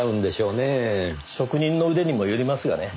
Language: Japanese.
職人の腕にもよりますがね。